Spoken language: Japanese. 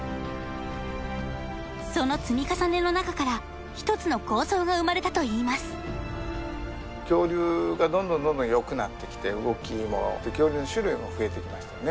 その積み重ねの中から一つの構想が生まれたといいます恐竜がどんどんどんどんよくなってきて動きも恐竜の種類も増えてきましたよね